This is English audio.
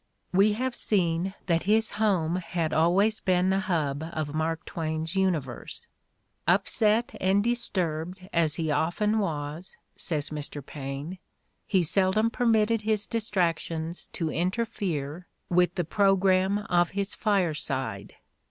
We have seen that his home had always been the hub of Mark Twain's universe. "Upset and disturbed" as he often was, says Mr. Paine, "he seldom permitted his distractions to interfere with the program of his fire side."